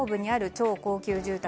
超高級住宅